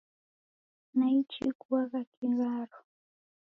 Naichi kuagha kigharo